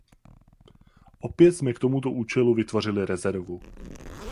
Opět jsme k tomuto účelu vytvořili rezervu.